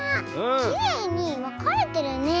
きれいにわかれてるね。